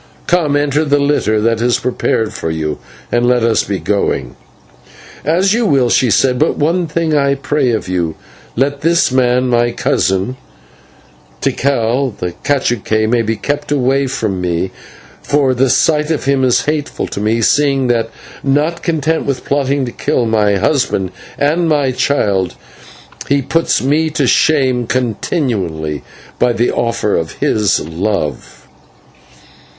Come, enter the litter that is prepared for you, and let us be going." "As you will," she said; "but one thing I pray of you, let this man, my cousin, Tikal the /cacique/, be kept away from me, for the sight of him is hateful to me, seeing that, not content with plotting to kill my husband and my child, he puts me to shame continually by the offer of his love."